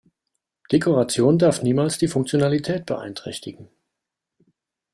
Dekoration darf niemals die Funktionalität beeinträchtigen.